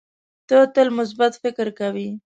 ته تل مثبت فکر کوې.